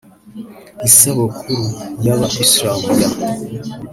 Isabukuru y’Aba Islam ya